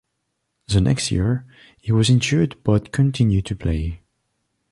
The next year he was injured but continued to play.